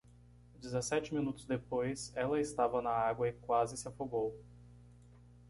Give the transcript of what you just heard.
Dezessete minutos depois,? ela estava na água e quase se afogou.